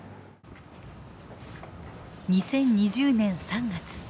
２０２０年３月。